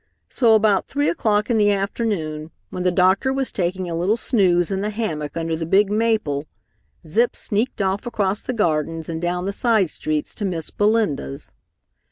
So about three o'clock in the afternoon when the doctor was taking a little snooze in the hammock under the big maple, Zip sneaked off across the gardens and down the side streets to Miss Belinda's.